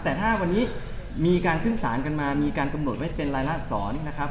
แต่ถ้าวันนี้มีการพิกษากันมามีการกำหนดไว้เป็นลายลากศาลนะครับ